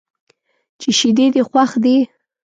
چې شیدې دې خوښ دي.